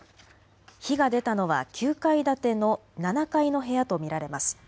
火が出たのは９階建ての７階の部屋と見られます。